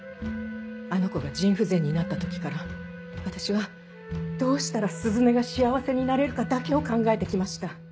あの子が腎不全になった時から私はどうしたら鈴音が幸せになれるかだけを考えて来ました。